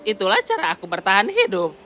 itulah cara aku bertahan hidup